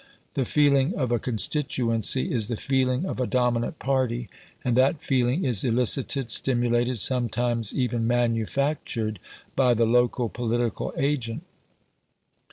The feeling of a constituency is the feeling of a dominant party, and that feeling is elicited, stimulated, sometimes even manufactured by the local political agent.